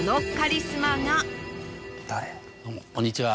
こんにちは。